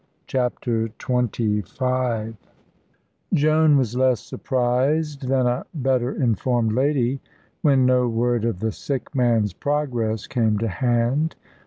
CHAPTER XXV Joan was less surprised than a better informed lady when no word of the sick man's progress came to hand.